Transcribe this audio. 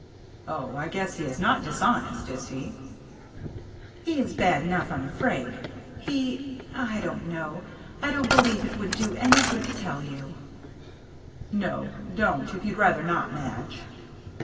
" Oh, I guess he is not dishonest, is he ?" "He is bad enough, I'm afraid. He — I don't know — I don't believe it would do any good to tell you —"" No, don't, if you'd rather not, Madge."